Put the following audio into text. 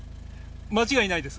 間違いないです。